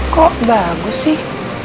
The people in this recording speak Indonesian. kok bagus sih